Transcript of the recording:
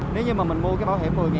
nhanh không thì có được không